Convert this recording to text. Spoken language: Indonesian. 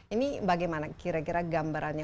ini bagaimana kira kira gambarannya